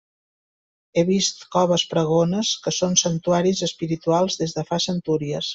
He vist coves pregones que són santuaris espirituals des de fa centúries.